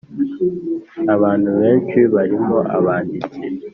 Abantu benshi, barimo abanditsi